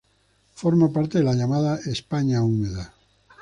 Forma parte de la llamada "España húmeda".